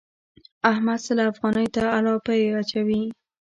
احمد سل افغانيو ته الاپی اچوي.